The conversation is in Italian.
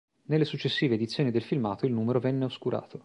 Nelle successive edizioni del filmato il numero venne oscurato.